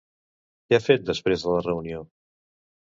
Què ha fet després de la reunió?